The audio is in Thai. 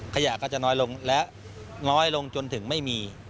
ขยะก็จะน้อยลงและน้อยลงจนถึงไม่มี